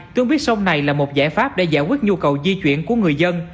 tuyến buýt sông này là một giải pháp để giải quyết nhu cầu di chuyển của người dân